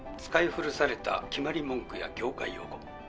使い古された決まり文句や業界用語。